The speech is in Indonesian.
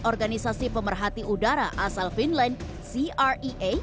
organisasi pemerhati udara asal finland crea